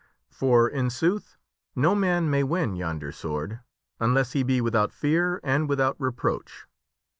For, in sooth, no man may win yonder sword unless he be without fear and without reproach."